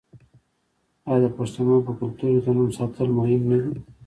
آیا د پښتنو په کلتور کې د نوم ساتل مهم نه دي؟